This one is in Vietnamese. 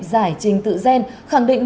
giải trình tự gen khẳng định